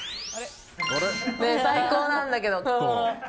最高なんだけど。